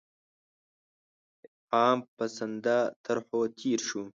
عام پسنده طرحو تېر شو.